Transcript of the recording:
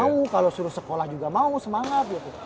mau kalau suruh sekolah juga mau semangat gitu